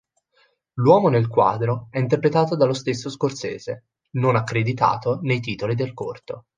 L'uomo nel quadro è interpretato dallo stesso Scorsese, non accreditato nei titoli del corto.